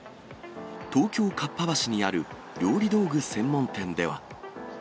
東京・かっぱ橋にある料理道具専門店では。